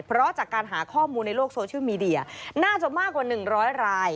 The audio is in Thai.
เพราะจากการหาข้อมูลในโลกโซเชียลมีเดียน่าจะมากกว่า๑๐๐ราย